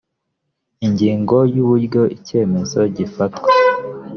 ingingo ya uburyo icyemezo gifatwa